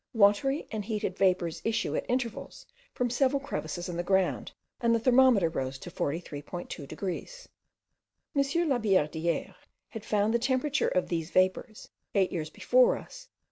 Watery and heated vapours issue at intervals from several crevices in the ground, and the thermometer rose to 43.2 degrees. M. Labillardiere had found the temperature of these vapours, eight years before us, 53.